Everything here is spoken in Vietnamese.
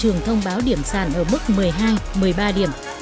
trường thông báo điểm sàn ở mức một mươi hai một mươi ba điểm